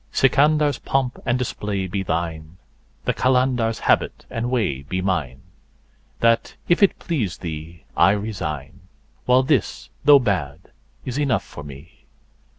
Sikandar's3 pomp and display be thine, the Qalandar's4 habit and way be mine; That, if it please thee, I resign, while this, though bad, is enough for me.